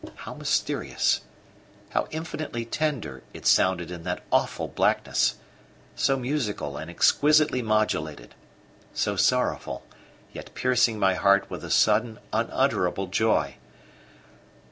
How mysterious, how infinitely tender it sounded in that awful blackness! so musical and exquisitely modulated, so sorrowful, yet piercing my heart with a sudden, unutterable joy.